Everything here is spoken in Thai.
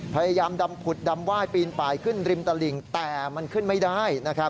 พยายามดำผุดดำไหว้ปีนป่ายขึ้นริมตลิ่งแต่มันขึ้นไม่ได้